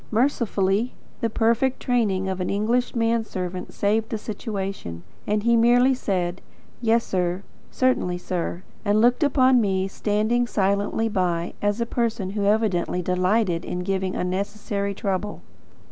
Mercifully, the perfect training of an English man servant saved the situation, and he merely said: "Yessir; certainly sir," and looked upon, me, standing silently by, as a person who evidently delighted in giving unnecessary trouble.